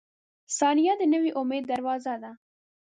• ثانیه د نوي امید دروازه ده.